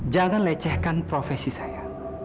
jangan lecehkan profesi saya